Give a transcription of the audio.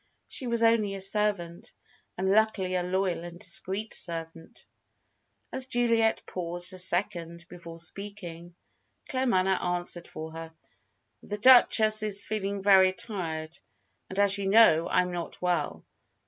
She was only a servant, and luckily a loyal and discreet servant. As Juliet paused a second before speaking, Claremanagh answered for her: "The Duchess is feeling very tired, and as you know, I'm not well.